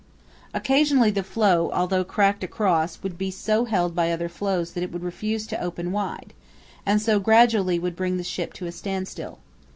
Occasionally the floe, although cracked across, would be so held by other floes that it would refuse to open wide, and so gradually would bring the ship to a standstill.